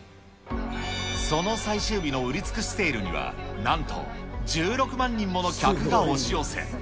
その最終日の売り尽くしセールには、なんと１６万人もの客が押し寄せ。